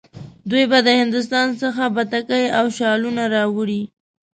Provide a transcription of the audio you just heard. دی به د هندوستان څخه بتکۍ او شالونه راوړي.